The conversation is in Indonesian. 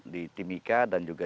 di timika dan juga